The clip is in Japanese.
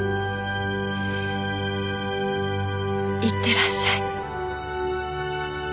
いってらっしゃい。